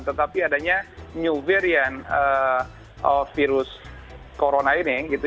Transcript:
tetapi adanya new varian virus corona ini gitu